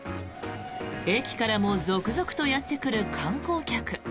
駅からも続々とやってくる観光客。